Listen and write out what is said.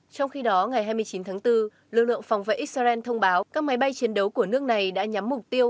trong khi đó ngày hai mươi chín tháng bốn lực lượng phòng vệ israel thông báo các máy bay chiến đấu của nước này đã nhắm mục tiêu